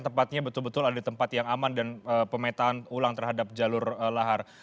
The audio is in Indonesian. tepatnya betul betul ada tempat yang aman dan pemetaan ulang terhadap jalur lahar